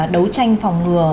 đấu tranh phòng ngừa